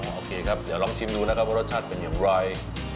โอเคครับเดี๋ยวลองชิมดูนะครับว่ารสชาติเป็นอย่างไร